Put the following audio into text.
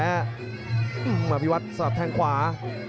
เอา